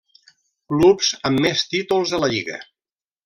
Clubs amb més títols a la lliga.